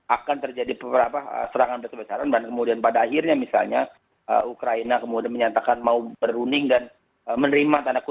akan terjadi serangan besar besaran dan kemudian pada akhirnya misalnya ukraina kemudian menyatakan mau berunding dan menerima tanda kutip